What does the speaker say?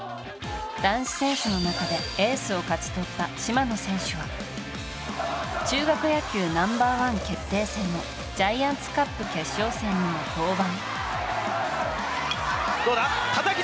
男子選手の中でエースを勝ち取った島野選手は中学野球ナンバーワン決定戦のジャイアンツカップ決勝戦にも登板。